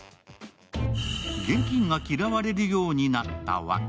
現金が嫌われるようになったわけ。